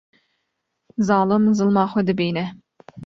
Zalim zilma xwe dibîne